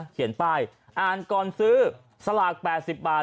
เขียนป้ายอ่านก่อนซื้อสลาก๘๐บาท